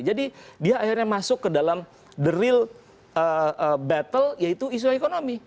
jadi dia akhirnya masuk ke dalam the real battle yaitu isu ekonomi